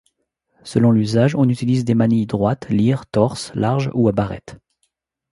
Selon l'usage on utilise des manilles droites, lyres, torses, larges ou à barrette.